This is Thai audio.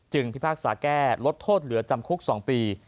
พิพากษาแก้ลดโทษเหลือจำคุก๒ปี